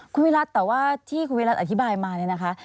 คุณวิรัติแต่ว่าที่คุณวิรัติอธิบายมาเนี่ยนะคะ